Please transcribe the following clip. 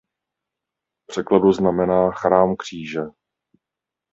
V překladu znamená "Chrám Kříže".